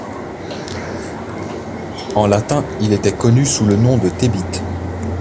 En latin, il était connu sous le nom de Thebit.